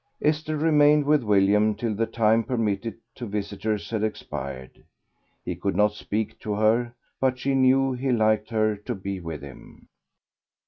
Esther remained with William till the time permitted to visitors had expired. He could not speak to her but she knew he liked her to be with him.